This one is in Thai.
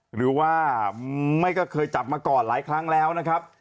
หรือว่าไม่ก็เคยจับมาก่อนหลายครั้งแล้วนะครับ